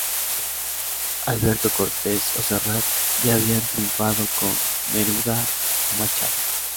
Alberto Cortez o Serrat ya habían triunfado con Neruda o Machado.